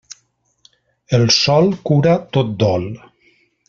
El sol cura tot dol.